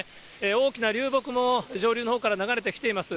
大きな流木も上流のほうから流れてきています。